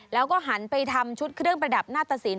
แล้วก็หันไปทำชุดเครื่องประดับหน้าตะสิน